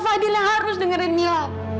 kak fadil harus dengerin mila